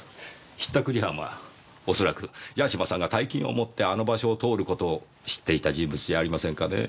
引ったくり犯は恐らく八島さんが大金を持ってあの場所を通る事を知っていた人物じゃありませんかねぇ。